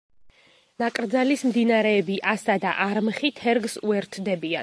ნაკრძალის მდინარეები, ასა და არმხი თერგს უერთდებიან.